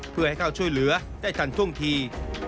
เพื่อให้เข้าช่วยเหลือได้ทันท่วงที